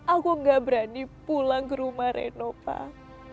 aku gak berani pulang ke rumah reno pak